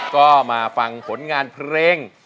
ก็มาฟังผลงานเพลง